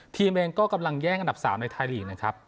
ทีมเองก็กำลังแย่งอันดับ๓ในไทยลีกนะครับ